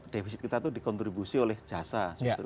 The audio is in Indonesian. defisit kita itu dikontribusi oleh jasa